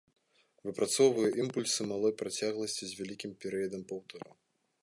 Выпрацоўвае імпульсы малой працягласці з вялікім перыядам паўтору.